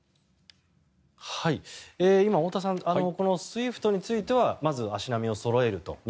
今、太田さんこのＳＷＩＦＴについてはまず足並みをそろえると。